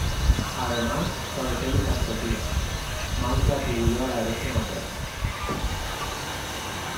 Además, padeció licantropía, mal que atribuyó a la herencia materna.